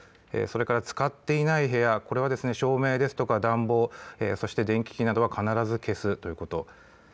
それから使っていない部屋、これは照明ですとか暖房、そして電気機器などは必ず消すということ。